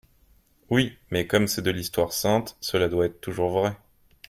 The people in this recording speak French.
Oui, mais comme c'est de l'histoire sainte, cela doit être toujours vrai.